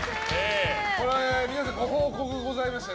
皆さんにご報告がありまして。